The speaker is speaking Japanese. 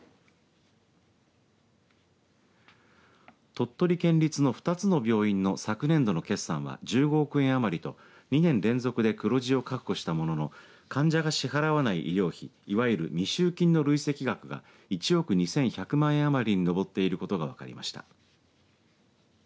鳥取県立の２つの病院の昨年度の決算は１５億円余りと２年連続で黒字を確保したものの患者が支払わない医療費いわゆる未収金の累積額が１億２１００万円あまりに上っていることが分かりました